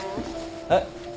えっ？